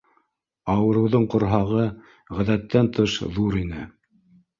Ауырыуҙың ҡорһағы ғәҙәттән тыш ҙур ине